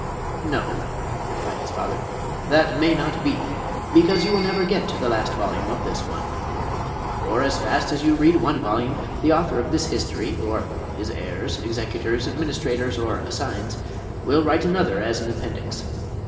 "No," replied his father, "that may not be; because you will never get to the last volume of this one. For as fast as you read one volume, the author of this history, or his heirs, executors, administrators, or assigns, will write another as an appendix.